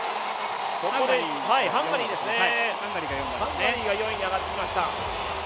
ハンガリーが４位に上がってきました。